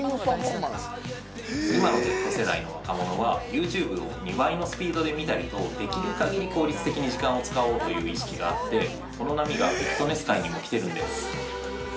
◆今のＺ世代の若者はユーチューブを２倍のスピードで見たり等できる限り効率的に時間を使おうという意識があってその波がフィットネス界にも来てるんです。